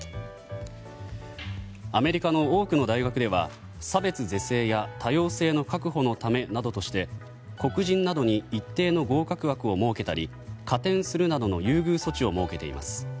アメリカの多くの大学では差別是正や多様性の確保のためなどとして黒人などに一定の合格枠を設けたり加点するなどの優遇措置を設けています。